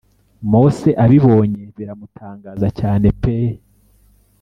Mose abibonye biramutangaza cyane peee